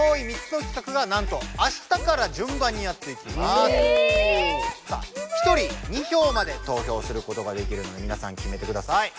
この中でさあひとり２票まで投票することができるのでみなさんきめてください。